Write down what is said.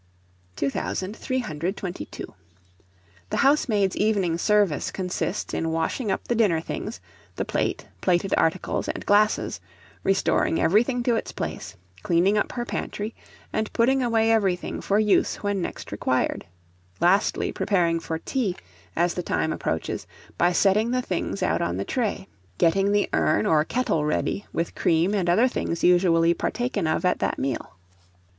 2322. The housemaid's evening service consists in washing up the dinner things, the plate, plated articles, and glasses, restoring everything to its place; cleaning up her pantry, and putting away everything for use when next required; lastly, preparing for tea, as the time approaches, by setting the things out on the tray, getting the urn or kettle ready, with cream and other things usually partaken of at that meal.